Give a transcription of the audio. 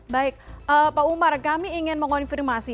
baik pak umar kami ingin mengonfirmasi